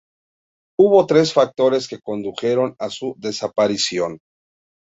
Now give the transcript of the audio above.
Hubo tres factores que condujeron a su desaparición.